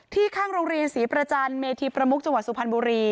ข้างโรงเรียนศรีประจันทร์เมธีประมุกจังหวัดสุพรรณบุรี